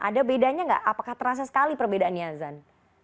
ada bedanya nggak apakah terasa sekali perbedaannya azan